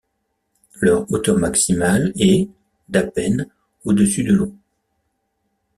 Leur hauteur maximale est d'à peine au-dessus de l'eau.